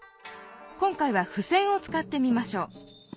今回はふせんを使ってみましょう。